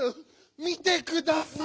見てください！